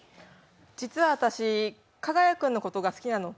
実は私、加賀谷君のことが好きなの。